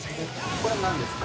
これ何ですか？